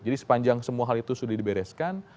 jadi sepanjang semua hal itu sudah dibereskan